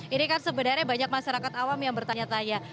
ini kan sebenarnya banyak masyarakat awam yang bertanya tanya